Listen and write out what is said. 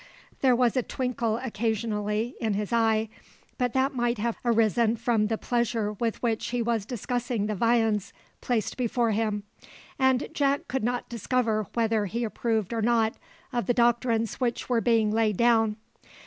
There was a twinkle occasionally in his eye, but that might have arisen from the pleasure with which he was discussing the viands placed before him, and Jack could not discover whether he approved or not of the doctrines which were being laid down.